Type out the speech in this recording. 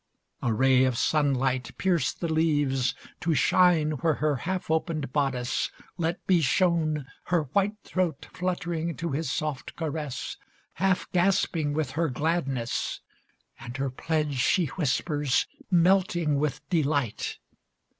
A ray of sunlight pierced the leaves to shine Where her half opened bodice let be shown Her white throat fluttering to his soft caress, Half gasping with her gladness. And her pledge She whispers, melting with delight.